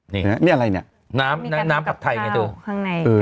เนี่ยเนี่ยอะไรเนี่ยน้ำน้ำน้ำปัดไทยไงดูข้างใน